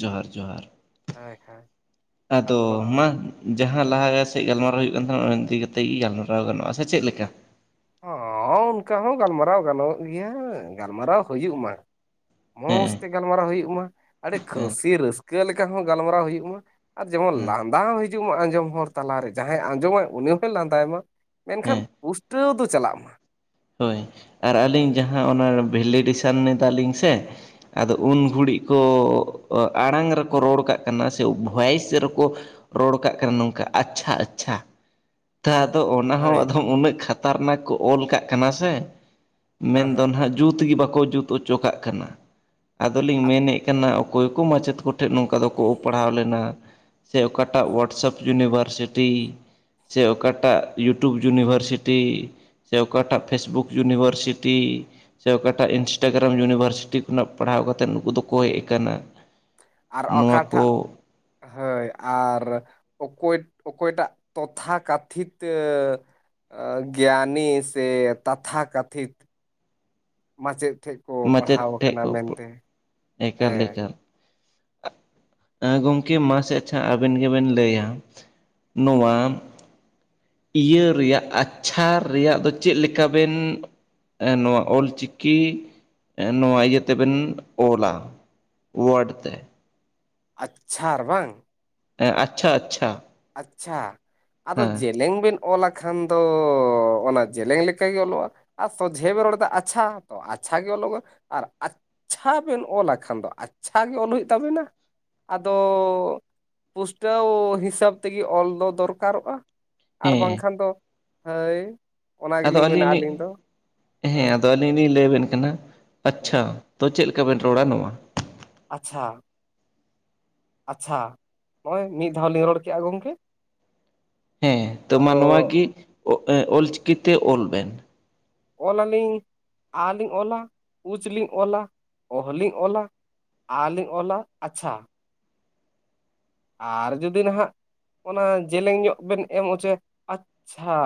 ᱡᱚᱦᱟᱨ ᱡᱚᱦᱟᱨ ᱦᱳᱭ ᱦᱳᱭ ᱟᱫᱚ ᱢᱟ ᱡᱟᱦᱟᱸ ᱞᱟᱦᱟ ᱥᱮᱜ ᱜᱟᱞᱢᱟᱨᱟᱣ ᱦᱩᱭᱩᱜ ᱠᱟᱱ ᱛᱟᱸᱦᱮᱱᱟ ᱚᱱᱟ ᱤᱫᱤ ᱠᱟᱛᱮᱫ ᱜᱮ ᱜᱟᱞᱢᱟᱨᱟᱣ ᱜᱟᱱᱚᱜᱼᱟ ᱥᱮ ᱪᱮᱫ ᱞᱮᱠᱟ ᱦᱚᱸ ᱚᱱᱠᱟ ᱦᱚᱸ ᱜᱟᱞᱢᱟᱨᱟᱣ ᱜᱟᱱᱚᱜ ᱜᱮᱭᱟ ᱜᱟᱞᱢᱟᱨᱟᱣ ᱦᱩᱭᱩᱜ ᱢᱟ ᱢᱚᱡᱽ ᱦᱮᱸ ᱛᱮ ᱜᱟᱞᱢᱟᱨᱟᱣ ᱦᱩᱭᱩᱜ ᱢᱟ ᱟᱹᱰᱤ ᱦᱮᱸ ᱠᱷᱥᱤ ᱨᱟᱹᱥᱠᱟᱹ ᱞᱮᱠᱟ ᱦᱚᱸ ᱜᱟᱞᱢᱟᱨᱟᱣ ᱦᱩᱭᱩᱜ ᱢᱟ ᱟᱨ ᱡᱮᱢᱚᱱ ᱦᱮᱸ ᱞᱟᱸᱫᱟ ᱦᱚᱸ ᱦᱤᱡᱩᱜ ᱢᱟ ᱟᱸᱡᱚᱢ ᱦᱚᱲ ᱛᱟᱞᱟᱨᱮ ᱡᱟᱦᱟᱸᱭ ᱟᱸᱡᱚᱢᱟᱭ ᱩᱱᱤ ᱦᱚᱭ ᱞᱟᱸᱫᱟᱭ ᱢᱟ ᱢᱮᱱᱠᱷᱟᱱ ᱦᱮᱸ ᱯᱩᱥᱴᱟᱹᱣ ᱫᱚ ᱪᱟᱞᱟᱜ ᱢᱟ ᱦᱳᱭ ᱟᱨ ᱦᱮᱸ ᱟᱹᱞᱤᱧ ᱡᱟᱦᱟᱸ ᱚᱱᱟ ᱵᱷᱮᱞᱤᱰᱮᱥᱚᱱ ᱮᱫᱟᱞᱤᱧ ᱥᱮ ᱟᱫᱚ ᱩᱱ ᱜᱷᱩᱲᱤᱡ ᱠᱚ ᱟᱲᱟᱝ ᱨᱮᱠᱚ ᱨᱚᱲ ᱠᱟᱜ ᱠᱟᱱᱟ ᱥᱮ ᱵᱷᱚᱭᱮᱥ ᱨᱮᱠᱚ ᱨᱚᱲ ᱠᱟᱜ ᱠᱟᱱᱟ ᱱᱚᱝᱠᱟ ᱟᱪᱪᱷᱟ ᱟᱪᱪᱷᱟ ᱛᱚ ᱟᱫᱚ ᱚᱱᱟ ᱦᱚᱸ ᱦᱳᱭ ᱟᱫᱚᱢ ᱩᱱᱟᱹᱜ ᱠᱷᱟᱛᱟᱨᱱᱟᱠ ᱠᱚ ᱚᱞ ᱠᱟᱜ ᱠᱟᱱᱟ ᱥᱮ ᱦᱮᱸ ᱢᱮᱱᱫᱚ ᱦᱮᱸ ᱱᱟᱜ ᱡᱩᱛ ᱜᱮ ᱵᱟᱠᱚ ᱡᱩᱛ ᱚᱪᱚ ᱠᱟᱜ ᱠᱟᱱᱟ ᱟᱫᱚᱞᱤᱧ ᱟᱨ ᱢᱮᱱᱮᱜ ᱠᱟᱱᱟ ᱚᱠᱚᱭ ᱠᱚ ᱢᱟᱪᱮᱫ ᱠᱚᱴᱷᱮᱜ ᱱᱚᱝᱠᱟ ᱫᱚᱠᱚ ᱯᱟᱲᱦᱟᱣ ᱞᱮᱱᱟ ᱥᱮ ᱚᱠᱟᱴᱟᱜ ᱣᱟᱴᱥᱮᱯ ᱤᱭᱩᱱᱤᱵᱷᱟᱨᱥᱤᱴᱤ ᱥᱮ ᱚᱠᱟᱴᱟᱜ ᱤᱭᱩᱴᱩᱵᱽ ᱤᱭᱩᱱᱤᱵᱷᱟᱨᱥᱤᱴᱤ ᱥᱮ ᱚᱠᱟᱴᱟᱜ ᱯᱷᱮᱥᱵᱩᱠ ᱤᱭᱩᱱᱤᱵᱷᱟᱨᱥᱤᱴᱤ ᱥᱮ ᱚᱠᱟᱴᱟᱜ ᱤᱱᱥᱴᱟᱜᱨᱟᱢ ᱤᱭᱩᱱᱤᱵᱷᱟᱨᱥᱤᱴᱤ ᱠᱷᱚᱱᱟᱜ ᱯᱟᱲᱦᱟᱣ ᱠᱟᱛᱮᱫ ᱱᱩᱠᱩ ᱫᱚᱠᱚ ᱦᱮᱡ ᱟᱠᱟᱱᱟ ᱟᱨ ᱱᱚᱣᱟ ᱠᱚ ᱚᱠᱟᱴᱷᱟᱜ ᱦᱳᱭ ᱟᱨ ᱚᱠᱚᱭ ᱚᱠᱚᱭᱴᱟᱜ ᱛᱚᱛᱷᱟ ᱠᱟᱛᱷᱤᱛ ᱜᱮᱭᱟᱱᱤ ᱥᱮ ᱛᱟᱛᱷᱟ ᱠᱟᱛᱷᱤᱛ ᱢᱟᱪᱮᱫ ᱴᱷᱮᱡ ᱠᱚ ᱢᱟᱪᱮᱫ ᱯᱟᱲᱦᱟᱣ ᱴᱷᱮᱡ ᱟᱠᱟᱱᱟ ᱠᱚ ᱢᱮᱱᱛᱮ ᱮᱠᱟᱞ ᱦᱮᱸ ᱮᱠᱟᱞ ᱮ ᱜᱚᱢᱠᱮ ᱢᱟᱥᱮ ᱟᱪᱪᱷᱟ ᱟᱵᱮᱱ ᱜᱮᱵᱮᱱ ᱞᱟᱹᱭᱟ ᱱᱚᱣᱟ ᱤᱭᱟᱹ ᱨᱮᱭᱟᱜ ᱟᱪᱪᱷᱟ ᱨᱮᱭᱟᱜ ᱫᱚ ᱪᱮᱫ ᱞᱮᱠᱟ ᱵᱮᱱ ᱱᱚᱣᱟ ᱚᱞ ᱪᱤᱠᱤ ᱱᱚᱣᱟ ᱤᱭᱟᱹ ᱛᱮᱵᱮᱱ ᱚᱞᱟ ᱚᱶᱟᱰ ᱛᱮ ᱟᱪᱪᱷᱟᱨ ᱵᱟᱝ ᱮᱸ ᱟᱪᱪᱷᱟ ᱟᱪᱪᱷᱟ ᱟᱪᱪᱷᱟ ᱟᱫᱚ ᱡᱮ ᱦᱮᱸ ᱡᱮᱞᱮᱝ ᱵᱮᱱ ᱚᱞᱟᱠᱷᱟᱱ ᱫᱚ ᱚᱱᱟ ᱡᱮᱞᱮᱧ ᱞᱮᱠᱟᱜᱮ ᱚᱞᱚᱜᱼᱟ ᱟᱨ ᱥᱚᱡᱷᱮ ᱵᱮ ᱨᱚᱲ ᱫᱟ ᱟᱪᱪᱷᱟ ᱛᱚ ᱟᱪᱪᱷᱟ ᱜᱮ ᱚᱞᱚᱜᱚᱜ ᱟᱨ ᱪᱷᱟ ᱵᱮᱱ ᱚᱞᱟᱜ ᱠᱷᱟᱱ ᱫᱚ ᱟᱪᱪᱷᱟ ᱜᱮ ᱚᱞ ᱦᱩᱭᱩᱜ ᱛᱟᱵᱮᱱᱟ ᱟᱫᱚ ᱯᱩᱥᱴᱟᱹᱣ ᱦᱤᱥᱟᱹᱵ ᱛᱮᱜᱮ ᱚᱞ ᱫᱚ ᱫᱚᱨᱠᱟᱨᱚᱜᱼᱟ ᱟᱨ ᱦᱮᱸ ᱵᱟᱝᱠᱷᱟᱱ ᱫᱚ ᱦᱟᱹᱭ ᱟᱫᱚ ᱟᱹᱞᱤᱧ ᱞᱤᱜ ᱦᱮᱸ ᱦᱳᱭ ᱟᱫᱚ ᱟᱹᱞᱤᱧ ᱞᱤᱧ ᱞᱟᱹᱭ ᱟᱵᱮᱱ ᱠᱟᱱᱟ ᱦᱮᱸ ᱟᱪᱪᱷᱟ ᱛᱚ ᱪᱮᱫ ᱞᱮᱠᱟᱵᱮᱱ ᱨᱚᱲᱟ ᱱᱚᱣᱟ ᱟᱪᱪᱷᱟ ᱟᱪᱪᱷᱟ ᱱᱚᱜᱼᱚᱭ ᱢᱤᱫ ᱫᱷᱟᱣ ᱞᱤᱧ ᱨᱚᱲ ᱠᱮᱜᱼᱟ ᱜᱚᱝᱠᱮ ᱦᱮᱸ ᱛᱚ ᱢᱟ ᱱᱚᱶᱟ ᱜᱤ ᱮᱸ ᱚ ᱚᱞᱪᱤᱠᱤᱛᱮ ᱚᱞ ᱵᱮᱱ ᱚᱞ ᱟᱞᱤᱧ ᱟ ᱞᱤᱧ ᱚᱞᱟ ᱩᱪ ᱞᱤᱧ ᱚᱞᱟ ᱚᱦ ᱞᱤᱧ ᱚᱞᱟ ᱟᱨᱞᱤᱧ ᱚᱞᱟ ᱟᱪᱪᱷᱟ ᱟᱨ ᱡᱩᱫᱤ ᱱᱟᱦᱟᱜ ᱚᱱᱟ ᱡᱮᱞᱮᱧ ᱧᱚᱜ ᱵᱮᱱ ᱮᱢ ᱦᱚᱪᱚᱭᱟ ᱟᱪᱪᱷᱟ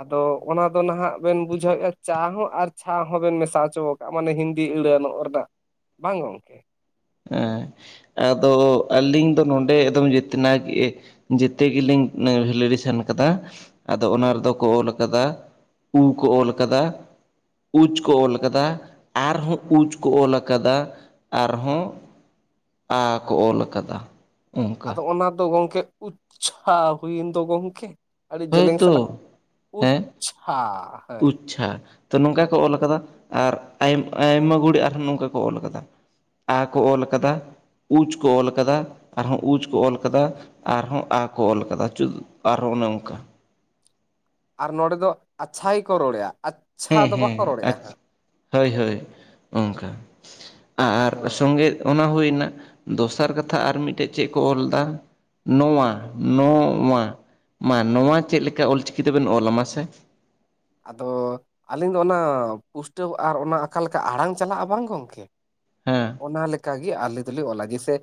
ᱟᱫᱚ ᱚᱱᱟ ᱫᱚ ᱱᱟᱦᱟᱜ ᱵᱮᱱ ᱵᱩᱡᱷᱟᱹᱣᱮᱫᱼᱟ ᱪᱟ ᱦᱚᱸ ᱟᱨ ᱪᱷᱟ ᱦᱚᱸ ᱵᱮᱱ ᱢᱮᱥᱟ ᱦᱚᱪᱚ ᱠᱚ ᱢᱟᱱᱮ ᱦᱤᱱᱫᱤ ᱟᱹᱲᱟᱹ ᱱᱚᱜᱼ ᱨᱮᱱᱟᱜ ᱵᱟᱝ ᱜᱚᱝᱠᱮ ᱦᱮᱸ ᱟᱫᱚ ᱟᱹᱞᱤᱧ ᱫᱚ ᱱᱚᱰᱮ ᱮᱠᱫᱚᱢ ᱡᱮᱛᱱᱟ ᱜᱮ ᱡᱮᱛᱮ ᱜᱮᱞᱤᱧ ᱵᱷᱮᱞᱤᱰᱮᱥᱮᱱ ᱠᱟᱫᱟ ᱟᱫᱚ ᱦᱳᱭ, ᱚᱱᱟ ᱨᱮᱫᱚ ᱠᱚ ᱚᱞ ᱠᱟᱫᱟ ᱩ ᱠᱚ ᱚᱞ ᱠᱟᱫᱟ ᱩᱪ ᱠᱚ ᱚᱞ ᱟᱠᱟᱫᱟ ᱟᱨᱦᱚᱸ ᱩᱪ ᱠᱚ ᱚᱞ ᱟᱠᱟᱫᱟ ᱟᱨᱦᱚᱸ ᱟ ᱠᱚ ᱚᱞ ᱟᱠᱟᱫᱟ ᱚᱱᱠᱟ ᱟᱫᱚ ᱚᱱᱟ ᱫᱚ ᱜᱚᱝᱠᱮ ᱩᱪᱼᱪᱷᱟ ᱦᱩᱭᱮᱱ ᱫᱚ ᱜᱚᱝᱠᱮ ᱟᱹᱰᱤ ᱡᱮᱞᱮᱝ ᱦᱳᱭᱛᱚ ᱥᱟᱞᱟᱜ ᱟᱪᱼᱪᱷᱟ ᱩᱪᱼᱪᱷᱟ ᱛᱚ ᱱᱚᱝᱠᱟ ᱠᱚ ᱚᱞ ᱠᱟᱫᱟ ᱟᱨ ᱟᱭᱼᱟᱭᱢᱟ ᱜᱩᱲᱤ ᱟᱨᱦᱚᱸ ᱱᱚᱝᱠᱟ ᱠᱚ ᱚᱞ ᱠᱟᱫᱟ ᱟ ᱠᱚ ᱚᱞ ᱠᱟᱫᱟ ᱩᱪ ᱠᱚ ᱚᱞ ᱠᱟᱫᱟ ᱟᱨᱦᱚᱸ ᱩᱪ ᱠᱚ ᱚᱞ ᱠᱟᱫᱟ ᱟᱨᱦᱚ ᱟ ᱠᱚ ᱚᱞ ᱠᱟᱫᱟ ᱪᱩᱜ ᱟᱨᱦᱚᱸ ᱚᱱᱮ ᱚᱱᱠᱟ ᱟᱨ ᱱᱚᱸᱰᱮ ᱫᱚ ᱟᱪᱪᱷᱟᱭ ᱜᱮᱠᱚ ᱨᱚᱲᱮᱼᱟ ᱟᱪ ᱦᱮᱸ ᱦᱮᱸ ᱟᱪ ᱦᱳᱭ ᱦᱳᱭ ᱚᱝᱠᱟ ᱟᱨ ᱟᱫᱚ ᱥᱚᱝᱜᱮ ᱚᱱᱟ ᱦᱩᱭᱱᱟ ᱫᱚᱥᱟᱨ ᱠᱟᱛᱷᱟ ᱟᱨ ᱢᱤᱫᱴᱮᱜ ᱪᱮᱫ ᱠᱚ ᱚᱞ ᱫᱟ ᱱᱚᱶᱟ ᱱᱚᱼᱶᱟ ᱢᱟ ᱱᱚᱶᱟ ᱪᱮᱫ ᱞᱮᱠᱟ ᱚᱞᱪᱤᱠᱤ ᱛᱮᱵᱤᱱ ᱚᱞᱟ ᱢᱟᱥᱮ ᱟᱫᱚ ᱟᱞᱤᱧ ᱫᱚ ᱚᱱᱟ ᱯᱩᱥᱴᱟᱹᱣ ᱟᱨ ᱚᱱᱟ ᱟᱠᱟᱞᱮᱠᱟ ᱟᱲᱟᱝ ᱪᱟᱞᱟᱜᱼᱟ ᱵᱟᱝ ᱜᱚᱝᱠᱮ ᱦᱮᱸ ᱚᱱᱟ ᱞᱮ ᱠᱟᱜᱮ ᱟᱞᱮ ᱫᱚᱞᱮ ᱚᱞᱟ ᱡᱮᱥᱮ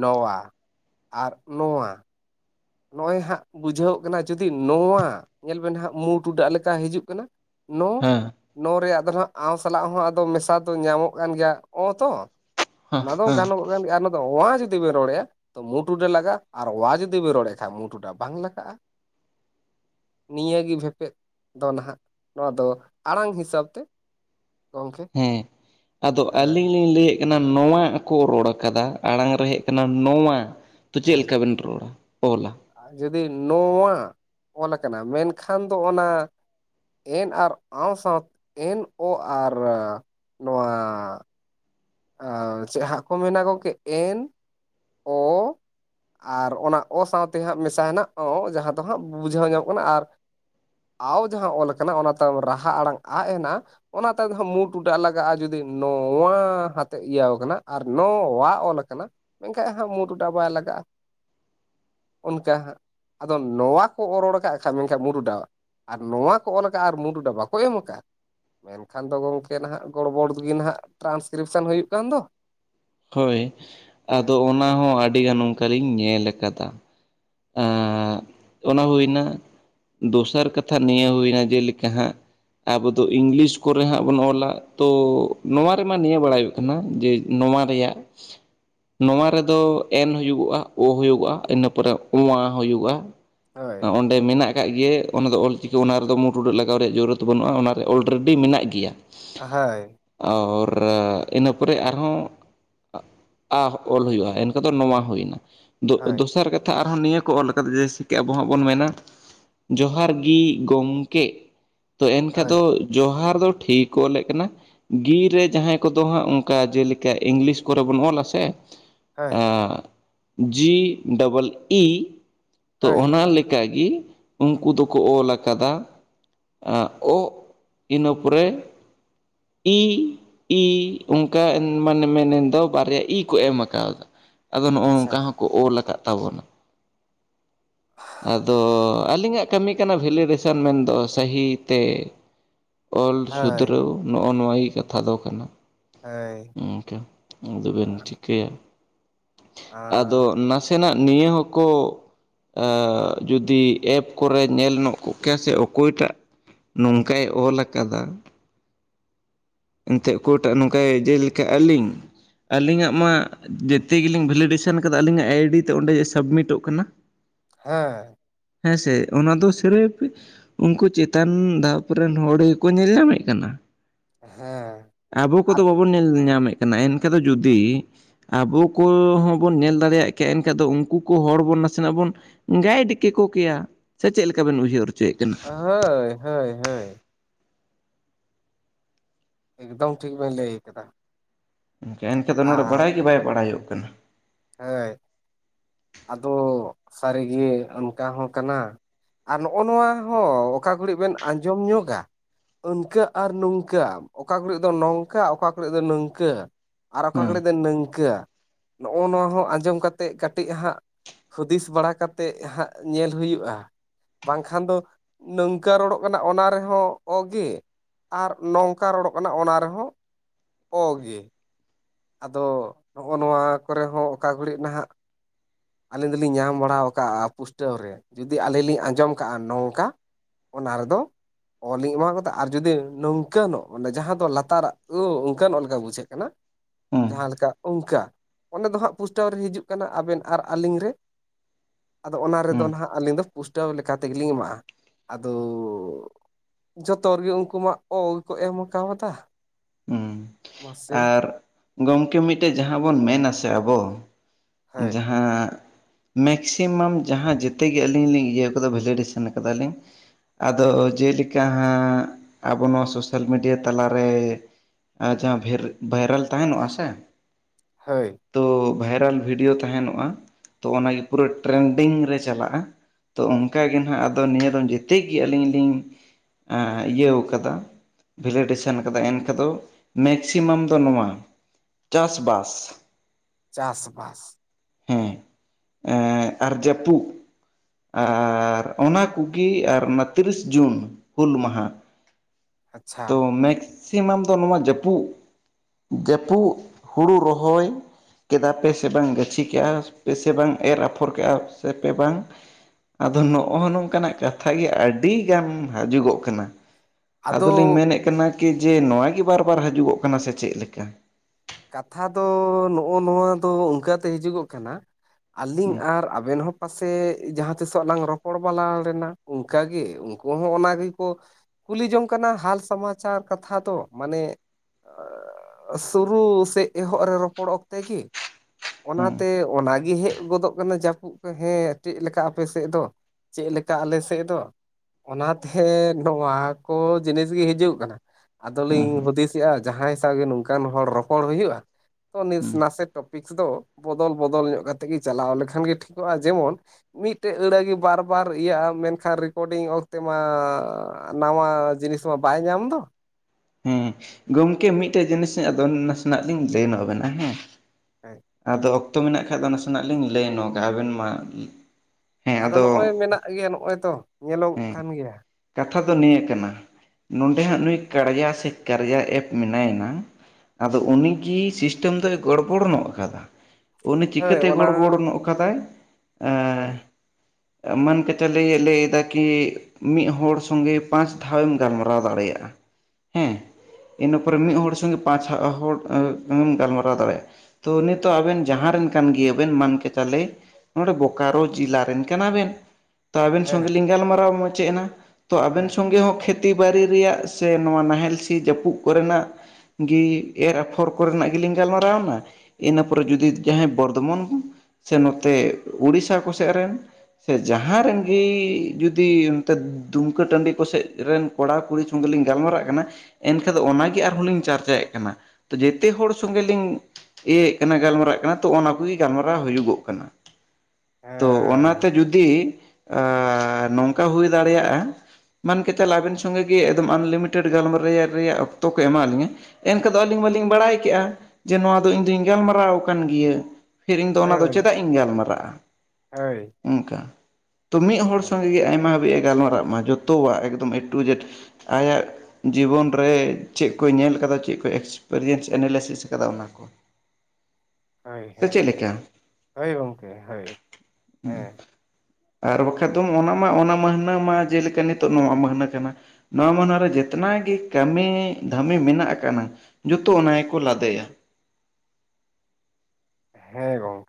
ᱱᱚᱣᱟ ᱟᱨ ᱱᱚᱶᱟ ᱱᱚᱜᱼᱚᱭ ᱦᱟᱸᱜ ᱵᱩᱡᱷᱟᱹᱣᱟᱹᱜ ᱠᱟᱱᱟ ᱡᱩᱫᱤ ᱱᱚᱶᱟ ᱧᱮᱞ ᱵᱤᱱ ᱦᱟᱸᱜ ᱢᱩ ᱴᱩᱰᱟᱜ ᱞᱮᱠᱟ ᱦᱤᱡᱩᱜ ᱠᱟᱱᱟ ᱱᱚᱸ ᱦᱮᱸ ᱱᱚ ᱨᱮᱭᱟᱜ ᱫᱚ ᱦᱟᱸᱜ ᱣ ᱥᱟᱞᱟᱜ ᱦᱚᱸ ᱟᱫᱚ ᱢᱮᱥᱟ ᱫᱚ ᱧᱟᱢᱚᱜ ᱠᱟᱱ ᱜᱮᱭᱟ ᱚᱸ ᱛᱚ ᱦᱮᱸ ᱚᱱᱟ ᱫᱚ ᱦᱮᱸ ᱜᱟᱱᱚᱜ ᱟᱼᱚᱱᱟ ᱚᱶᱟ ᱡᱩᱫᱤ ᱵᱮ ᱨᱚᱲᱮᱼᱟ ᱛᱚ ᱢᱩ ᱴᱩᱰᱟᱹᱜ ᱞᱟᱜᱟᱼᱟ ᱟᱨ ᱚᱣᱟ ᱡᱩᱫᱤ ᱵᱤᱱ ᱨᱚᱲᱼᱟ ᱠᱷᱟᱜ ᱢᱩ ᱴᱩᱰᱟᱜ ᱵᱟᱝ ᱞᱟᱜᱟᱜᱼᱟ ᱱᱤᱭᱟᱹ ᱜᱮ ᱵᱷᱮᱯᱮᱫ ᱫᱚ ᱱᱟᱦᱟᱜ ᱱᱚᱣᱟ ᱫᱚ ᱟᱲᱟᱝ ᱦᱤᱥᱟᱹᱵ ᱛᱮ ᱜᱚᱝᱠᱮ ᱦᱮᱸ ᱟᱫᱚ ᱦᱮᱸ ᱟᱹᱞᱤᱧ ᱞᱤᱧ ᱞᱟᱹᱭᱮᱫ ᱮᱱᱟ ᱱᱚᱶᱟᱜ ᱠᱚ ᱨᱚᱲ ᱠᱟᱫᱟ ᱟᱲᱟᱝ ᱨᱮ ᱦᱮᱜ ᱠᱟᱱᱟ ᱱᱚᱶᱟ ᱛᱚ ᱪᱮᱫ ᱦᱮᱸ ᱞᱮᱠᱟᱵᱤᱱ ᱨᱚᱲᱟ ᱚᱞᱟ ᱡᱩᱫᱤ ᱱᱚᱶᱟ ᱚᱞᱟᱠᱟᱱᱟ ᱢᱮᱱᱠᱷᱟᱱ ᱫᱚ ᱚᱱᱟ ᱮᱱ ᱟᱨ ᱟᱸᱣ ᱥᱟᱶ ᱮᱱ ᱚ ᱟᱨ ᱱᱚᱶᱟ ᱟ ᱪᱮᱜ ᱦᱟᱸᱜ ᱠᱚ ᱢᱮᱱᱟ ᱜᱚᱝᱠᱮ ᱮᱱ ᱚ ᱟᱨ ᱚᱱᱟ ᱚ ᱥᱟᱶᱛᱮ ᱦᱟᱸᱜ ᱢᱮᱥᱟᱭᱱᱟ ᱟᱶ ᱡᱟᱦᱟᱸ ᱫᱚ ᱦᱟᱸᱜ ᱵᱩᱡᱷᱟᱹᱣ ᱧᱟᱢᱚᱜ ᱠᱟᱱᱟ ᱟᱨ ᱣ ᱡᱟᱦᱟᱸ ᱚᱞ ᱠᱟᱱᱟ ᱚᱱᱟ ᱛᱟᱭᱚᱢ ᱨᱟᱦᱟ ᱟᱲᱟᱝ ᱟᱜ ᱮᱱᱟ ᱚᱱᱟ ᱛᱟᱭᱚᱢ ᱫᱚ ᱦᱟᱸᱜ ᱢᱩ ᱴᱩᱰᱟᱹᱜ ᱞᱟᱜᱟᱜᱼᱟ ᱡᱩᱫᱤ ᱱᱚᱼᱶᱟ ᱦᱟ ᱛᱚ ᱤᱭᱟᱹᱣ ᱠᱟᱱᱟ ᱟᱨ ᱱᱚᱼᱣᱟ ᱚᱞ ᱠᱟᱱᱟ ᱢᱮᱱᱠᱷᱟᱜ ᱦᱟᱸᱜ ᱢᱩ ᱴᱩᱰᱟᱹᱜ ᱵᱟᱭ ᱞᱟᱜᱟᱜᱼᱟ ᱚᱱᱠᱟ ᱦᱟᱸᱜ ᱟᱫᱚ ᱱᱚᱣᱟ ᱠᱚ ᱚᱼᱨᱚᱲᱟ ᱠᱟᱜ ᱠᱷᱟᱜ ᱢᱮᱱᱠᱷᱟᱜ ᱢᱩ ᱴᱩᱰᱟᱹᱜ ᱟᱨ ᱱᱚᱶᱟ ᱠᱚ ᱚᱞ ᱠᱟᱜᱼᱟ ᱟᱨ ᱢᱩ ᱴᱩᱰᱟᱹᱜ ᱵᱟᱠᱚ ᱮᱢ ᱠᱟᱜᱼᱟ ᱢᱮᱱᱠᱷᱟᱱ ᱫᱚ ᱜᱚᱝᱠᱮ ᱱᱟᱦᱟᱸᱜ ᱜᱚᱲᱵᱚᱲ ᱫᱩᱵᱤ ᱱᱟᱸᱜ ᱴᱨᱸᱟᱱᱥᱠᱨᱤᱯᱥᱚᱱ ᱦᱩᱭᱩᱜ ᱠᱟᱱ ᱫᱚ ᱦᱳᱭ ᱦᱮᱸ ᱟᱫᱚ ᱚᱱᱟ ᱦᱚᱸ ᱟᱰᱤᱜᱟᱱ ᱚᱝᱠᱟᱞᱤᱧ ᱧᱮᱞ ᱠᱟᱫᱟ ᱮᱸ ᱚᱱᱟ ᱦᱩᱭᱱᱟ ᱫᱚᱥᱟᱨ ᱠᱟᱛᱷᱟ ᱱᱤᱭᱟᱹ ᱦᱩᱭᱱᱟ ᱡᱮᱞᱮᱠᱟ ᱦᱟᱸᱜ ᱟᱵᱚ ᱫᱚ ᱤᱝᱞᱤᱥ ᱠᱚᱨᱮ ᱦᱟᱸᱜ ᱵᱚᱱ ᱚᱞᱟ ᱛᱚ ᱱᱚᱶᱟ ᱨᱮᱢᱟ ᱱᱤᱭᱟᱹ ᱵᱟᱲᱟᱭ ᱠᱟᱱᱟ ᱡᱮ ᱱᱚᱶᱟ ᱨᱮᱭᱟᱜ ᱱᱚᱣᱟ ᱨᱮᱫᱚ ᱮᱱ ᱦᱩᱭᱩᱜᱚᱜᱼᱟ ᱳ ᱦᱩᱭᱩᱜᱚᱜᱼᱟ ᱤᱱᱟᱹ ᱯᱚᱨᱮ [unintelligible] ᱦᱩᱭᱩᱜᱼᱟ ᱦᱳᱭ ᱚᱸᱰᱮ ᱢᱮᱱᱟᱜ ᱟᱠᱟᱜ ᱜᱮ ᱚᱱᱟ ᱫᱚ ᱚᱞ ᱪᱤᱠᱤ ᱚᱱᱟ ᱨᱮᱫᱚ ᱢᱩ ᱴᱩᱰᱟᱹᱜ ᱞᱟᱜᱟᱣ ᱨᱮᱭᱟᱜ ᱡᱩᱨᱩᱛ ᱵᱟᱹᱱᱩᱜᱼᱟ ᱚᱱᱟᱨᱮ ᱚᱞᱨᱮᱰᱤ ᱢᱮᱱᱟᱜ ᱜᱮᱭᱟ ᱦᱳᱭ ᱚᱨ ᱤᱱᱟᱹ ᱯᱚᱨᱮ ᱟᱨᱦᱚᱸ ᱟᱦ ᱚᱞ ᱦᱩᱭᱩᱜᱼᱟ ᱮᱱᱠᱷᱟᱱ ᱫᱚ ᱱᱚᱣᱟ ᱦᱩᱭᱱᱟ ᱦᱳᱭ ᱫᱚᱜᱼᱫᱚᱥᱟᱨ ᱠᱟ ᱟᱨᱦᱚᱸ ᱱᱤᱭᱟᱹ ᱠᱚ ᱚᱞ ᱠᱟᱫᱟ ᱡᱮᱭᱥᱤᱠᱤ ᱟᱵᱚ ᱦᱟᱸᱜ ᱵᱚᱱ ᱢᱮᱱᱟ ᱡᱚᱦᱟᱨ ᱜᱤ ᱜᱚᱝᱼᱠᱮᱜ ᱛᱚ ᱮᱱᱠᱷᱟᱜ ᱫᱚ ᱦᱳᱭ ᱡᱚᱦᱟᱨ ᱫᱚ ᱴᱷᱤᱠ ᱠᱚ ᱚᱞᱮᱜ ᱠᱟᱱᱟ ᱜᱤ ᱨᱮ ᱡᱟᱦᱟᱸᱭ ᱠᱚᱫᱚ ᱦᱟᱸᱜ ᱚᱝᱠᱟ ᱡᱮ ᱞᱮᱠᱟ ᱤᱝᱞᱤᱥ ᱠᱚᱨᱮ ᱵᱚᱱ ᱚᱞᱟ ᱥᱮ ᱦᱳᱭ ᱡᱤ ᱰᱚᱵᱚᱞ ᱤ ᱛᱚ ᱦᱳᱭ ᱚᱱᱟ ᱞᱮᱠᱟᱜᱮ ᱩᱝᱠᱩ ᱫᱚᱠᱚ ᱚᱞ ᱠᱟᱫᱟ ᱚᱜ ᱤᱱᱟᱹ ᱯᱚᱨᱮ ᱤ [unintelligible] ᱤ ᱚᱝᱠᱟ ᱢᱟᱱᱮ ᱢᱮᱱᱮᱱ ᱫᱚ ᱵᱟᱨᱭᱟ ᱤ ᱠᱚ ᱮᱢ ᱠᱟᱣᱫᱟ ᱟᱫᱚ ᱱᱚᱜᱼᱚ ᱟᱪᱪᱷᱟ ᱱᱚᱝᱠᱟ ᱦᱚᱸᱠᱚ ᱚᱞ ᱟᱠᱟᱫ ᱛᱟᱵᱚᱱᱟ ᱟᱫᱚ ᱟᱹᱞᱤᱧᱟᱜ ᱠᱟᱹᱢᱤ ᱠᱟᱱᱟ ᱵᱷᱮᱞᱤᱰᱮᱥᱚᱱ ᱢᱮᱱᱫᱚ ᱥᱟᱹᱦᱤᱛᱮ ᱚᱞ ᱦᱳᱭ ᱥᱩᱫᱷᱨᱟᱹᱣ ᱱᱚᱜᱼᱚ ᱱᱚᱣᱟᱜᱮ ᱠᱟᱛᱷᱟ ᱫᱚ ᱠᱟᱱᱟ ᱦᱳᱭ ᱤᱱᱠᱟ. ᱟᱫᱚ ᱵᱤᱱ ᱪᱤᱠᱟᱹᱭᱟ ᱟᱫᱚ ᱱᱟᱥᱮ ᱥᱮᱱᱟᱜ ᱱᱤᱭᱟᱹ ᱦᱚᱸᱠᱚ ᱟ ᱡᱩᱫᱤ ᱮᱯ ᱠᱚᱨᱮ ᱧᱮᱞ ᱧᱚᱜ ᱠᱚᱜ ᱠᱮᱭᱟ ᱥᱮ ᱚᱠᱚᱭ ᱴᱟᱜ ᱱᱚᱝᱠᱟᱭ ᱚᱞ ᱟᱠᱟᱫᱟ ᱮᱱᱛᱮᱫ ᱠᱚᱴᱟᱜ ᱱᱚᱝᱠᱟᱭ ᱡᱮ ᱞᱮᱠᱟ ᱟᱹᱞᱤᱧ ᱟᱹᱞᱤᱧᱟᱜ ᱢᱟ ᱡᱮᱛᱮ ᱜᱮᱞᱤᱧ ᱵᱷᱮᱞᱤᱰᱮᱥᱚᱱ ᱟᱠᱟᱫᱟ ᱟᱹᱞᱤᱧᱟᱜ ᱟᱭᱰᱤ ᱛᱮ ᱚᱸᱰᱮ ᱥᱟᱵᱢᱤᱴᱚᱜ ᱠᱟᱱᱟ [inaudible] ᱦᱮᱸ ᱦᱮᱸ ᱥᱮ ᱚᱱᱟ ᱫᱚ ᱥᱤᱨᱤᱯ ᱩᱱᱠᱩ ᱪᱮᱛᱟᱱ ᱫᱷᱟᱯ ᱨᱮᱱ ᱦᱚᱲ ᱜᱮᱠᱚ ᱧᱮᱞ ᱧᱟᱢᱮᱜ ᱠᱟᱱᱟ ᱦᱮᱸ ᱟᱵᱚ ᱠᱚᱫᱚ ᱟᱨ ᱵᱟᱵᱚᱱ ᱧᱮᱞ ᱧᱟᱢᱮᱜ ᱠᱟᱱᱟ ᱮᱱᱠᱷᱟ ᱫᱚ ᱡᱩᱫᱤ ᱟᱵᱚ ᱠᱚ ᱦᱚᱸᱵᱚᱱ ᱧᱮᱞ ᱫᱟᱲᱮᱭᱟᱜ ᱜᱮᱭᱟ ᱮᱱᱠᱷᱟᱱ ᱫᱚ ᱩᱱᱠᱩ ᱠᱚ ᱦᱚᱲ ᱵᱚᱱ ᱱᱟᱥᱮᱱᱟᱜ ᱵᱚᱱ ᱜᱟᱭᱤᱰ ᱠᱮ ᱠᱚ ᱠᱮᱭᱟ ᱥᱮ ᱪᱮᱫ ᱞᱮᱠᱟ ᱵᱤᱱ ᱩᱭᱦᱟᱹᱨ ᱦᱚᱪᱚᱭᱮᱫ ᱠᱟᱱᱟ ᱦᱳᱭ ᱦᱳᱭ ᱦᱳᱭ ᱮᱠᱫᱚᱢ ᱴᱷᱤᱠ ᱵᱤᱱ ᱞᱟᱹᱭ ᱠᱟᱫᱟ ᱮᱱᱠᱷᱟᱱ ᱫᱚ ᱱᱚᱰᱮ ᱵᱟᱰᱟᱭ ᱜᱮ ᱵᱟᱭ ᱵᱟᱪᱟᱭᱚᱜ ᱠᱟᱱᱟ ᱦᱮᱭ ᱟᱫᱚ ᱥᱟᱹᱨᱤ ᱜᱮ ᱚᱱᱠᱟ ᱦᱚᱸ ᱠᱟᱱᱟ ᱟᱨ ᱱᱚᱜᱼᱚ ᱱᱚᱣᱟ ᱦᱚᱸ ᱚᱠᱟ ᱜᱷᱩᱲᱤᱜ ᱵᱮᱱ ᱟᱸᱡᱚᱢ ᱧᱚᱜᱟ ᱟ. ᱱᱠᱟᱹ ᱟᱨ ᱱᱚᱝᱠᱟᱹ ᱚᱠᱟ ᱠᱚᱨᱮ ᱫᱚ ᱱᱚᱝᱠᱟ ᱚᱠᱟ ᱠᱚᱨᱮ ᱫᱚ ᱱᱟ. ᱝᱠᱟᱹ ᱟᱨ ᱚᱠᱟ ᱜᱷᱟᱹᱲᱤᱡ ᱦᱩᱸ ᱫᱚ ᱱᱤᱝᱠᱟᱹ ᱱᱚᱜᱼᱚᱭ ᱱᱚᱣᱟ ᱦᱚᱸ ᱟᱸᱡᱚᱢ ᱠᱟᱛᱮ ᱠᱟᱹᱴᱤᱡ ᱦᱟᱸᱜ ᱦᱩᱫᱤᱥ ᱵᱟᱲᱟ ᱠᱟᱛᱮᱫ ᱦᱟᱸᱜ ᱧᱮᱞ ᱦᱩᱭᱩᱜᱼᱟ ᱵᱟᱝᱠᱷᱟᱱ ᱫᱚ ᱱᱚᱝᱠᱟᱹ ᱨᱚᱲᱚᱜ ᱠᱟᱱᱟ ᱚᱱᱟ ᱨᱮᱦᱚᱸ ᱚᱜᱮ ᱟᱨ ᱱᱚᱝᱠᱟ ᱨᱚᱲᱚᱜ ᱠᱟᱱᱟ ᱚᱱᱟ ᱨᱮᱦᱚᱸ ᱚ ᱜᱮ ᱟᱫᱚ ᱱᱚᱜᱼᱚ ᱱᱚᱣᱟ ᱠᱚᱨᱮ ᱦᱚᱸ ᱚᱠᱟ ᱜᱷᱟᱹᱲᱤᱡ ᱱᱟᱦᱟᱜ ᱟᱹᱞᱤᱧ ᱫᱚᱞᱤᱧ ᱧᱟᱢ ᱵᱟᱲᱟ ᱟᱠᱟᱜᱼᱟ ᱯᱩᱥᱴᱟᱹᱣ ᱨᱮ ᱡᱩᱫᱤ ᱟᱞᱤᱧ ᱞᱤᱧ ᱟᱸᱡᱚᱢ ᱠᱟᱜᱼᱟ ᱱᱚᱝᱠᱟ ᱚᱱᱟ ᱨᱮᱫᱚ ᱚᱞᱤᱧ ᱮᱢᱟ ᱠᱟᱫᱟ ᱟᱨ ᱡᱩᱫᱤ ᱱᱚᱝᱠᱟᱱᱚᱜ ᱢᱟᱱᱮ ᱡᱟᱦᱟᱸ ᱫᱚ ᱞᱟᱛᱟᱨ ᱳ ᱚᱝᱠᱟᱱᱚᱜ ᱞᱮᱠᱟ ᱵᱩᱡᱷᱟᱹᱜ ᱠᱟᱱᱟ ᱦᱩᱸ ᱡᱟᱦᱟᱸ ᱞᱮᱠᱟ ᱚᱱᱠᱟ ᱚᱱᱟ ᱫᱚ ᱦᱟᱸᱜ ᱯᱩᱥᱴᱟᱹᱣ ᱨᱮ ᱦᱤᱡᱩᱜ ᱠᱟᱱᱟ ᱟᱵᱤᱱ ᱟᱨ ᱟᱹᱞᱤᱧ ᱨᱮ ᱟᱫᱚ ᱚᱱᱟ ᱨᱮᱫᱚ ᱦᱩᱸ ᱱᱟᱦᱟᱜ ᱟᱹᱞᱤᱧ ᱫᱚ ᱯᱩᱥᱴᱟᱹᱣ ᱞᱮᱠᱟ ᱛᱮᱜᱮᱞᱤᱧ ᱮᱢᱟᱜᱼᱟ ᱟᱫᱚ ᱡᱚᱛᱚ ᱨᱮᱜᱮ ᱩᱱᱠᱩ ᱢᱟ ᱚ ᱜᱮᱠᱚ ᱮᱢ ᱠᱟᱣᱫᱟ ᱦᱩᱸ ᱢᱟᱥᱮ ᱟᱨ ᱜᱚᱢᱠᱮ ᱢᱤᱫᱴᱮᱱ ᱡᱟᱦᱟᱸ ᱵᱚᱱ ᱢᱮᱱᱟᱥᱮ ᱟᱵᱚ ᱦᱳᱭ ᱡᱟᱦᱟᱸ ᱢᱮᱠᱥᱤᱢᱟᱢ ᱡᱟᱦᱟᱸ ᱡᱮᱛᱮᱜᱮ ᱟᱹᱞᱤᱧ ᱞᱤᱧ ᱤᱭᱟᱹ ᱟᱠᱟᱫᱟ ᱵᱷᱮᱞᱤᱰᱮᱥᱮᱱ ᱟᱠᱟᱫᱟᱞᱤᱧ ᱟᱫᱚ ᱡᱮᱞᱮᱠᱟ ᱦᱟᱸᱜ ᱟᱵᱚ ᱱᱚᱣᱟ ᱥᱚᱥᱟᱞ ᱢᱤᱰᱤᱭᱟ ᱛᱟᱞᱟᱨᱮ ᱟᱨ ᱡᱟᱦᱟᱸ ᱵᱷᱮᱨ ᱵᱷᱟᱭᱨᱟᱞ ᱛᱟᱦᱮᱱᱚᱜᱼᱟ ᱥᱮ ᱦᱳᱭ ᱛᱚ ᱵᱷᱟᱭᱨᱟᱞ ᱵᱷᱤᱰᱤᱭᱳ ᱛᱟᱦᱮᱱᱚᱜᱼᱟ ᱛᱚ ᱚᱱᱟᱜᱮ ᱯᱩᱨᱟᱹ ᱴᱨᱮᱱᱰᱤᱝ ᱨᱮ ᱪᱟᱞᱟᱜᱼᱟ ᱛᱚ ᱚᱱᱠᱟᱜᱮ ᱦᱟᱸᱜ ᱟᱫᱚ ᱱᱤᱭᱟᱹ ᱫᱚ ᱡᱮᱛᱮ ᱜᱮ ᱟᱹᱞᱤᱧ ᱞᱤᱧ ᱤᱭᱟᱹᱣ ᱠᱟᱫᱟ ᱵᱷᱮᱞᱤᱰᱮᱥᱚᱱ ᱠᱟᱫᱟ ᱮᱱᱠᱷᱟᱱ ᱫᱚ ᱢᱮᱠ ᱢᱮᱠᱥᱤᱢᱟᱢ ᱫᱚ ᱱᱚᱣᱟ ᱪᱟᱥᱵᱟᱥ ᱪᱟᱥᱵᱟᱥ ᱦᱮᱸ ᱟᱨ ᱡᱟᱹᱯᱩᱫ ᱟᱨ ᱚᱱᱟ ᱠᱚᱜᱮ ᱟᱨ ᱚᱱᱟ ᱛᱤᱨᱤᱥ ᱡᱩᱱ ᱦᱩᱞ ᱢᱟᱦᱟ ᱟᱪᱪᱷᱟ ᱛᱚ ᱢᱮᱠᱥᱤᱢᱟᱢ ᱫᱚ ᱱᱚᱣᱟ ᱡᱟᱹᱯᱩᱜ ᱡᱟᱹᱯᱩᱜ ᱦᱩᱲᱩ ᱨᱚᱦᱚᱭ ᱠᱮᱫᱟ ᱯᱮ ᱥᱮ ᱵᱟᱝ ᱜᱟᱹᱪᱷᱤ ᱠᱮᱜᱼᱟ ᱯᱮ ᱥᱮ ᱵᱟᱝ ᱮᱨ ᱟᱯᱷᱚᱨ ᱠᱮᱜᱼᱟ ᱥᱮ ᱯᱮ ᱵᱟᱝ ᱟᱫᱚ ᱱᱚᱜᱼᱚᱭ ᱱᱚᱝᱠᱟᱱᱟᱜ ᱠᱟᱛᱷᱟ ᱜᱮ ᱟᱹᱰᱤ ᱜᱟᱱ ᱦᱤᱡᱩᱜᱚᱜ ᱠᱟᱱᱟ ᱾ ᱟᱫᱚ ᱞᱤᱧ ᱢᱮᱱᱮᱫ ᱠᱟᱱᱟ ᱠᱤ ᱡᱮ ᱱᱚᱣᱟ ᱜᱮ ᱵᱟᱨ ᱵᱟᱨ ᱦᱤᱡᱩᱜᱚᱜ ᱠᱟᱱᱟ ᱥᱮ ᱪᱮ ᱞᱮᱠᱟ ᱠᱟᱛᱷᱟ ᱫᱚ ᱱᱚᱜᱼᱚ ᱱᱚᱣᱟ ᱫᱚ ᱚᱱᱠᱟ ᱛᱮ ᱦᱤᱡᱩᱜᱚᱜ ᱠᱟᱱᱟ ᱟᱹᱞᱤᱧ ᱦᱩᱸ ᱟᱨ ᱟᱵᱮᱱ ᱦᱚᱸ ᱯᱟᱥᱮ ᱡᱟᱦᱟᱸ ᱛᱤᱥᱚᱜ ᱞᱟᱝ ᱨᱚᱯᱚᱲ ᱵᱟᱞᱟ ᱞᱮᱱᱟ ᱚᱱᱠᱟ ᱜᱮ ᱩᱱᱠᱩ ᱦᱚᱸ ᱚᱱᱟ ᱜᱮ ᱠᱚ ᱠᱩᱞᱤ ᱡᱚᱝ ᱠᱟᱱᱟ ᱦᱟᱞ ᱥᱚᱢᱟᱪᱟᱨ ᱠᱟᱛᱷᱟ ᱫᱚ ᱢᱟᱱᱮ ᱨᱩ ᱥᱮ ᱮᱦᱚᱵ ᱨᱮ ᱨᱚᱯᱚᱲ ᱚᱠᱛᱮ ᱜᱮ ᱚᱱᱟ ᱦᱩᱸ ᱛᱮ ᱚᱱᱟᱜᱮ ᱦᱮᱡ ᱜᱚᱫᱚᱜ ᱠᱟᱱᱟ ᱡᱟᱹᱯᱩᱜ ᱠᱚ ᱦᱮᱸ ᱪᱮᱫ ᱞᱮᱠᱟ ᱟᱯᱮ ᱥᱮᱫ ᱫᱚ ᱪᱮ ᱞᱮᱠᱟ ᱟᱞᱮ ᱥᱮᱫ ᱫᱚ ᱚᱱᱟ ᱛᱮ ᱱᱚᱣᱟ ᱠᱚ ᱡᱤᱱᱤᱥ ᱜᱮ ᱦᱤᱡᱩᱜ ᱠᱟᱱᱟ ᱟᱫᱚ ᱦᱩᱸ ᱞᱤᱧ ᱦᱩᱸ ᱦᱩᱫᱤᱥᱮᱜᱼᱟ ᱡᱟᱦᱟᱸᱭ ᱥᱟᱶ ᱜᱮ ᱱᱚᱝᱠᱟᱱ ᱦᱚᱲ ᱨᱚᱯᱚᱲ ᱦᱩᱭᱩᱜᱼᱟ ᱛᱚ ᱦᱩᱸ ᱱᱟᱥᱮ ᱴᱚᱯᱤᱠᱥ ᱫᱚ ᱵᱚᱫᱚᱞ ᱵᱚᱫᱚᱞ ᱧᱚᱜ ᱠᱟᱛᱮ ᱜᱮ ᱪᱟᱞᱟᱣ ᱞᱮᱠᱷᱟᱱ ᱜᱮ ᱴᱷᱤᱠᱚᱜᱼᱟ ᱡᱮᱢᱚᱱ ᱢᱤᱫᱴᱮᱡ ᱟᱹᱲᱟᱹ ᱜᱮ ᱵᱟᱨ ᱵᱟᱨ ᱤᱭᱟᱹᱜᱼᱟ ᱢᱮᱱᱠᱷᱟᱱ ᱨᱮᱠᱚᱨᱰᱤᱝ ᱚᱠᱛᱮ ᱢᱟ ᱱᱟᱣᱟ ᱡᱤᱱᱤᱥ ᱢᱟ ᱵᱟᱭ ᱧᱟᱢ ᱫᱚ ᱦᱮᱸ ᱜᱚᱝᱠᱮ ᱢᱤᱫᱴᱮᱡ ᱡᱤᱱᱤᱥ ᱟᱫᱚ ᱱᱟᱥᱮ ᱱᱟᱜ ᱞᱤᱧ ᱞᱟᱹᱭ ᱱᱚᱜ ᱟᱵᱮᱱᱟ ᱦᱮᱸ ᱦᱮᱸ ᱟᱫᱚ ᱚᱠᱛᱚ ᱢᱮᱱᱟᱜ ᱠᱷᱟᱡ ᱫᱚ ᱱᱟᱥᱮ ᱱᱟᱜ ᱞᱤᱧ ᱞᱟᱹᱭ ᱱᱚ ᱠᱟᱜᱼᱟ ᱟᱵᱮᱱ ᱢᱟ ᱟᱫᱚ ᱱᱚᱜᱼᱚᱭ ᱢᱮᱱᱟᱜ ᱜᱮᱭᱟ ᱱᱚᱜᱼᱚᱭ ᱛᱚ ᱧᱮᱞᱚᱜᱚᱜ ᱦᱮᱸ ᱠᱟᱱ ᱜᱮᱭᱟ ᱠᱟᱛᱷᱟ ᱫᱚ ᱱᱤᱭᱟᱹ ᱠᱟᱱᱟ ᱱᱚᱰᱮ ᱦᱟᱸᱜ ᱱᱩᱭ ᱠᱟᱲᱭᱟ ᱥᱮ ᱠᱟᱨᱭᱟ ᱮᱯ ᱢᱮᱱᱟᱭᱮᱱᱟ ᱟᱫᱚ ᱩᱱᱤᱜᱮ ᱥᱤᱥᱴᱮᱢ ᱫᱚᱭ ᱜᱚᱲᱵᱚᱲ ᱱᱚᱜ ᱠᱟᱫᱟ ᱩᱱᱤ ᱪᱤᱠᱟᱹ ᱦᱳᱭ ᱛᱮ ᱚᱱᱟ ᱜᱚᱲᱵᱚᱲ ᱱᱚᱜ ᱠᱟᱱᱟ ᱠᱟᱫᱟᱭ ᱮᱸ ᱦᱳᱭ ᱢᱟᱱᱠᱮ ᱪᱟᱞᱮ ᱞᱟᱹᱭ ᱮᱫᱟ ᱠᱤ ᱢᱤᱜ ᱦᱚᱲ ᱥᱚᱸᱜᱮ ᱯᱟᱸᱪ ᱠᱟ ᱫᱷᱟᱣᱮᱢ ᱜᱟᱞᱢᱟᱨᱟᱣ ᱫᱟᱲᱮᱭᱟᱜᱼᱟ ᱦᱮᱸ ᱤᱱᱟᱹ ᱯᱚᱨᱮ ᱢᱤᱫ ᱦᱳᱭ ᱦᱚᱲ ᱥᱚᱸᱜᱮ ᱯᱟᱸᱪ ᱦᱚᱲ ᱠᱚ ᱮᱢ ᱜᱟᱞᱢᱟᱨᱟᱣ ᱫᱟᱲᱮᱭᱟᱜᱼᱟ ᱛᱚ ᱱᱤᱛᱚᱜ ᱟᱵᱮᱱ ᱡᱟᱦᱟᱸ ᱨᱮᱱ ᱠᱟᱱ ᱜᱮᱭᱟ ᱵᱮᱱ ᱢᱟᱱ ᱠᱮ ᱪᱟᱞᱮ ᱱᱚᱰᱮ ᱵᱳᱠᱟᱨᱳ ᱡᱮᱞᱟ ᱨᱮᱱ ᱠᱟᱱᱟ ᱵᱮᱱ ᱛᱚ ᱟᱵᱮᱱ ᱥᱚᱸᱜᱮ ᱦᱮᱸ ᱞᱤᱝ ᱜᱟᱞᱢᱟᱨᱟᱣ ᱢᱩᱪᱟᱹᱫ ᱮᱱᱟ ᱛᱚ ᱟᱵᱮᱱ ᱦᱮᱸ ᱥᱚᱸᱜᱮ ᱦᱚᱸ ᱠᱷᱮᱛ ᱛᱮ ᱵᱟᱨᱤ ᱨᱮᱭᱟᱜ ᱥᱮ ᱱᱚᱣᱟ ᱱᱟᱦᱮᱞ ᱡᱟᱹᱯᱩᱜ ᱠᱚ ᱨᱮᱱᱟᱜ ᱜᱮ ᱮᱨ ᱟᱯᱷᱚᱨ ᱠᱚ ᱨᱮᱱᱟᱜ ᱜᱮ ᱞᱤᱧ ᱜᱟᱞᱢᱟᱨᱟᱣᱱᱟ ᱤᱱᱟᱹ ᱯᱚᱨᱮ ᱦᱮᱸ ᱡᱩᱫᱤ ᱡᱟᱦᱟᱸᱭ ᱵᱚᱨᱫᱷᱚᱢᱟᱱ ᱥᱮ ᱱᱚᱛᱮ ᱩᱲᱤᱥᱥᱟ ᱠᱚᱥᱮᱫ ᱨᱮᱱ ᱥᱮ ᱡᱟᱦᱟᱸ ᱨᱮᱱ ᱜᱮ ᱡᱩᱫᱤ ᱚᱱᱛᱮ ᱫᱩᱢᱠᱟᱹ ᱴᱟᱺᱰᱤ ᱠᱚᱥᱮᱡ ᱨᱮᱱ ᱠᱚᱲᱟᱼ ᱠᱩᱲᱤ ᱥᱚᱸᱜᱮ ᱞᱤᱧ ᱜᱟᱞᱢᱟᱨᱟᱜ ᱠᱟᱱᱟ ᱮᱱᱠᱷᱟ ᱫᱚ ᱚᱱᱟᱜᱮ ᱟᱨᱦᱚᱸ ᱞᱤᱧ ᱪᱟᱨᱪᱟᱭᱮᱫ ᱠᱟᱱᱟ ᱛᱚ ᱡᱮᱛᱮ ᱦᱚᱲ ᱥᱚᱸᱜᱮ ᱞᱤᱧ ᱤᱭᱟᱹᱮᱫ ᱠᱟᱱᱟ ᱜᱟᱞᱢᱟᱨᱟᱜ ᱠᱟᱱᱟ ᱛᱚ ᱚᱱᱟ ᱠᱚᱜᱮ ᱜᱟᱞᱢᱟᱨᱟᱣ ᱦᱩᱭᱩᱜᱚᱜ ᱠᱟᱱᱟ ᱛᱚ ᱚᱱᱟᱛᱮ ᱦᱮᱸ ᱡᱩᱫᱤ ᱮᱸ ᱱᱚᱝᱠᱟ ᱚᱱᱠᱟ ᱦᱩᱭ ᱫᱟᱲᱮᱭᱟᱜᱼᱟ᱾ ᱢᱟᱱ ᱠᱮ ᱪᱟᱞᱮ ᱟᱵᱮᱱ ᱥᱚᱸᱜᱮ ᱜᱮ ᱮᱠᱫᱚᱢ ᱟᱱᱞᱤᱢᱤᱴᱮᱰ ᱜᱟᱞᱢᱟ ᱨᱮᱭᱟᱜ ᱨᱮᱭᱟᱜ ᱚᱠᱛᱚ ᱠᱚ ᱮᱢᱟ ᱞᱤᱧᱟ ᱮᱱᱠᱷᱟᱱ ᱫᱚ ᱟᱹᱞᱤᱧ ᱢᱟ ᱞᱤᱧ ᱵᱟᱲᱟᱭ ᱠᱮᱜᱼᱟ ᱾ ᱡᱮ ᱱᱚᱣᱟ ᱫᱚ ᱤᱧ ᱫᱩᱧ ᱜᱟᱞᱢᱟᱨᱟᱣ ᱟᱠᱟᱱ ᱜᱮᱭᱟ ᱯᱷᱤᱨ ᱤᱧ ᱫᱚ ᱚᱱᱟ ᱫᱚ ᱦᱳᱭ ᱪᱮᱫᱟᱜ ᱤᱧ ᱜᱟᱞᱢᱟᱨᱟᱜᱼᱟ ᱦᱳᱭ ᱚᱱᱠᱟ ᱛᱚ ᱢᱤᱫ ᱦᱚᱲ ᱦᱳᱭ ᱥᱚᱸᱜᱮ ᱜᱮ ᱟᱭᱢᱟ ᱦᱟᱹᱵᱤᱡ ᱮ ᱜᱟᱞᱢᱟᱨᱟᱜ ᱢᱟ ᱡᱚᱛᱚ ᱛᱚ ᱟ ᱮᱠᱫᱚᱢ ᱮᱴᱩ ᱡᱮᱴ ᱟᱭᱟᱜ ᱡᱤᱵᱚᱱ ᱨᱮ ᱪᱮᱫ ᱠᱚ ᱧᱮᱞ ᱟᱠᱟᱫᱟ ᱪᱮᱫ ᱠᱚ ᱮᱠᱥᱯᱮᱨᱤᱭᱮᱱᱥ ᱮᱱᱟᱞᱟᱭᱤᱥᱤᱥ ᱟᱠᱟᱫᱟ ᱚᱱᱟ ᱠᱚ ᱦᱳᱭ ᱥᱮ ᱪᱮᱫ ᱦᱳᱭ ᱞᱮᱠᱟ ᱦᱳᱭ ᱜᱚᱝᱠᱮ ᱦᱳᱭ ᱦᱮᱸ ᱟᱨ ᱵᱟᱠᱷᱟᱡ ᱫᱚ ᱚᱱᱟ ᱢᱟ ᱚᱱᱟ ᱢᱟᱹᱦᱱᱟᱹ ᱢᱟ ᱡᱮᱞᱮᱠᱟ ᱱᱤᱛᱚᱜ ᱱᱚᱣᱟ ᱢᱟᱹᱦᱱᱟᱹ ᱠᱟᱱᱟ ᱱᱚᱣᱟ ᱢᱟᱱᱣᱟᱵᱨᱮ ᱡᱮᱛᱱᱟ ᱜᱮ ᱠᱟᱹᱢᱤ ᱫᱷᱟᱹᱢᱤ ᱢᱮᱱᱟᱜ ᱟᱠᱟᱱᱟ, ᱡᱚᱛᱚ ᱚᱱᱟ ᱜᱮᱠᱚ ᱞᱟᱫᱮᱭᱟ᱾ ᱦᱮᱸ ᱜᱚᱢ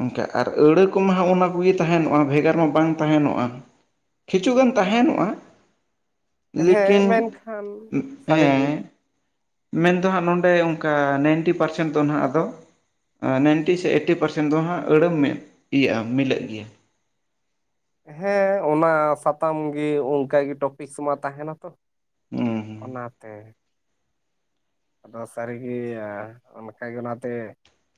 ᱚᱱᱠᱟ ᱟᱨ ᱟᱹᱲᱟᱹ ᱠᱚᱢᱟ ᱦᱟᱸᱜ ᱚᱱᱟ ᱠᱚᱜᱮ ᱛᱟᱦᱮᱱᱚᱜᱼᱟ᱾ ᱵᱷᱮᱜᱟᱨ ᱢᱟ ᱵᱟᱝ ᱛᱟᱦᱮᱱᱚᱜᱼᱟ᱾ ᱠᱤᱪᱷᱩ ᱜᱟᱱ ᱛᱟᱦᱮᱸᱱᱚᱜᱼᱟ᱾ ᱞᱮᱠᱤᱱ ᱦᱮᱸ ᱢᱮᱱᱠᱷᱟᱱ ᱥᱟᱹᱨᱤᱜᱮ ᱦᱮᱸ ᱢᱮᱱ ᱫᱚ ᱦᱟᱸᱜ ᱱᱚᱰᱮ ᱚᱱᱠᱟ ᱱᱟᱭᱤᱱᱴᱤ ᱯᱟᱨᱥᱮᱱ ᱫᱚ ᱱᱟᱜ ᱟᱫᱚ ᱱᱟᱭᱤᱱᱴᱤ ᱥᱮ ᱮᱭᱤᱴᱴᱤ ᱯᱟᱨᱥᱮᱱ ᱫᱚ ᱦᱟᱸᱜ ᱟᱹᱲᱟᱹ ᱤᱭᱟᱹᱜᱼᱟ ᱢᱤᱞᱟᱹᱜ ᱜᱮᱭᱟ᱾ ᱦᱮᱸ ᱚᱱᱟ ᱥᱟᱛᱟᱢ ᱜᱮ ᱚᱱᱠᱟᱜᱮ ᱴᱚᱯᱤᱥ ᱢᱟ ᱛᱟᱦᱮᱸᱱᱟ ᱛᱚ᱾ ᱦᱩᱸ ᱦᱩᱸ ᱚᱱᱟᱛᱮ᱾ ᱟᱫᱚ ᱥᱟᱹᱨᱤᱜᱮ ᱚᱱᱠᱟ ᱜᱮ ᱚᱱᱟᱛᱮ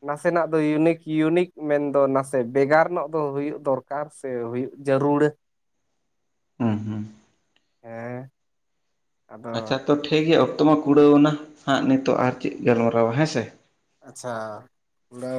ᱱᱟᱥᱮᱱᱟᱜ ᱫᱚ ᱤᱭᱩᱱᱤᱠ, ᱤᱭᱩᱱᱤᱠ ᱢᱮᱱᱫᱚ ᱱᱟᱥᱮ ᱵᱮᱜᱟᱨ ᱧᱚᱜ ᱫᱚ ᱦᱩᱭᱩᱜ ᱫᱚᱨᱠᱟᱨ᱾ ᱠᱟᱨ ᱥᱮ ᱦᱩᱭ ᱡᱟᱹᱨᱩᱲᱟᱹ᱾ ᱦᱮᱸ-ᱦᱩᱸ᱾ ᱦᱮᱸ ᱟᱫᱚ ᱟᱪᱪᱷᱟ ᱛᱚ ᱴᱷᱤᱠ ᱜᱮᱭᱟ᱾ ᱚᱠᱛᱚ ᱢᱟ ᱠᱩᱲᱟᱹᱣᱱᱟ ᱦᱟᱸᱜ, ᱱᱤᱛᱚᱜ ᱟᱨ ᱪᱮᱫ ᱜᱟᱞᱢᱟᱨᱟᱣᱟ ᱦᱮᱸ ᱥᱮ᱾ ᱟᱪᱪᱷᱟ